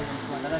dan sementara di